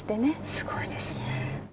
すごいですね。